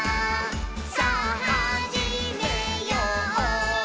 さぁはじめよう」